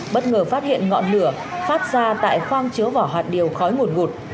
bất ngờ phát hiện ngọn lửa phát ra tại khoang chứa vỏ hạt điều khói nguồn ngụt